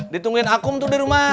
ditungguin akum tuh di rumah